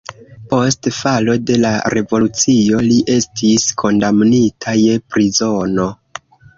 Post falo de la revolucio li estis kondamnita je prizono.